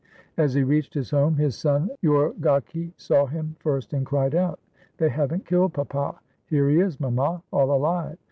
As he reached his home, his son Yorgaki saw him first, and cried out, "They haven't killed papa! Here he is, mamma, all alive.